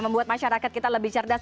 membuat masyarakat kita lebih cerdas